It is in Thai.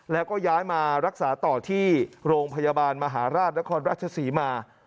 แล้วก็ย้ายมารักษาต่อที่โรงพยาบาลมหาราชนครราชศรีมา